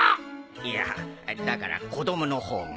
いやだから子供の方が。